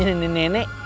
hah namanya nenek nenek